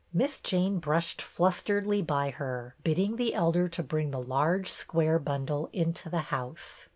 Miss Jane brushed flusteredly by her, bidding the Elder to bring the large square bundle into the house.